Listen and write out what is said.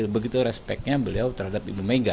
begitu respeknya beliau terhadap ibu mega gitu loh